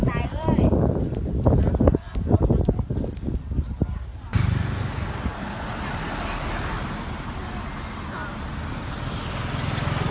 สวัสดีครับคุณพลาด